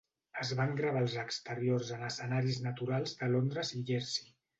Es van gravar els exteriors en escenaris naturals de Londres i Jersey.